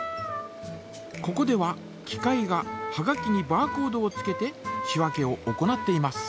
ここでは機械がはがきにバーコードをつけて仕分けを行っています。